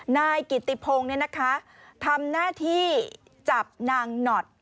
นายกิตติพงเนี่ยนะคะทำหน้าที่จับนางหนอด